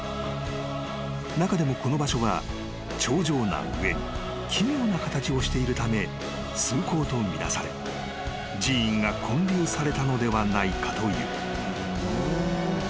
［中でもこの場所は頂上な上に奇妙な形をしているため崇高と見なされ寺院が建立されたのではないかという］